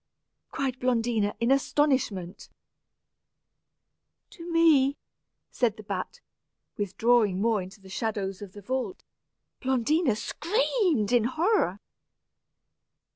cried Blondina, in astonishment "To me," said the bat, withdrawing more into the shadows of the vault. Blondina screamed with horror.